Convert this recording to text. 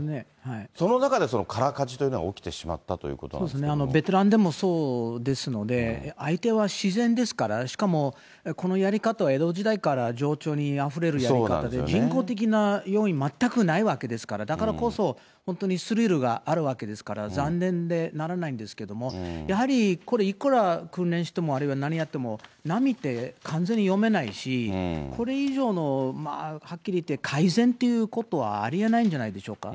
その中で空かじというのが起きてしまったということなんですけどベテランでもそうですので、相手は自然ですから、しかもこのやり方は江戸時代から情緒にあふれるやり方で、人工的な要因全くないわけですから、だからこそ本当にスリルがあるわけですから、残念でならないんですけれども、やはりこれ、いくら訓練しても、あるいは何やっても、波って完全に読めないし、これ以上の、はっきり言って改善っていうことはありえないんじゃないでしょうか。